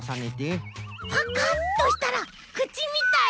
パカッとしたらくちみたい。